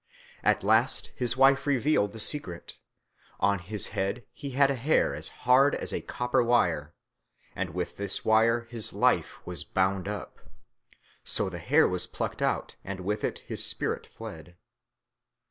At last his wife revealed the secret. On his head he had a hair as hard as a copper wire; and with this wire his life was bound up. So the hair was plucked out, and with it his spirit fled.